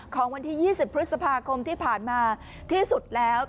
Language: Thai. ของวันที่๒๐พฤษภาคมที่ผ่านมาที่สุดแล้ว